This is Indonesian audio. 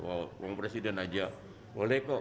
wah uang presiden aja boleh kok